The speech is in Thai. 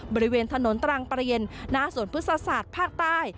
บริเวณถนนตรังเปลี่ยนหน้าสวนพฤษศาสตร์ภาคใต้